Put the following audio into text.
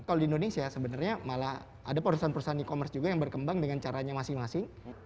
kalau di indonesia sebenarnya malah ada perusahaan perusahaan e commerce juga yang berkembang dengan caranya masing masing